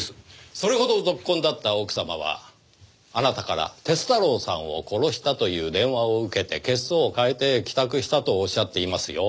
それほどぞっこんだった奥様はあなたから鐵太郎さんを殺したという電話を受けて血相を変えて帰宅したとおっしゃっていますよ。